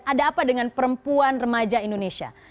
ada apa dengan perempuan remaja indonesia